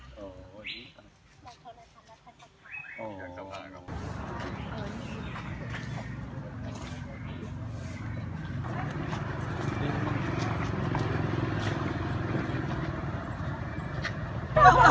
เมื่อทั้งค่ะเชียรมีราคาสำนวนแข่งเมืองจุดหลักขึ้น